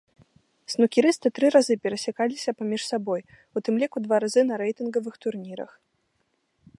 Снукерысты тры разы перасякаліся паміж сабой, у тым ліку два разы на рэйтынгавых турнірах.